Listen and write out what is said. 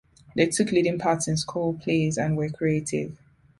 They took leading parts in school plays and were creative.